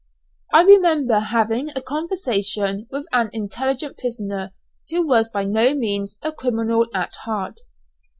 I remember having a conversation with an intelligent prisoner who was by no means a criminal at heart.